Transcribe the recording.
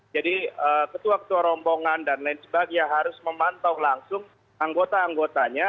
jadi ketua ketua rombongan dan lain sebagainya harus memantau langsung anggota anggotanya